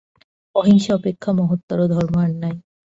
অহিংসা অপেক্ষা মহত্তর ধর্ম আর নাই।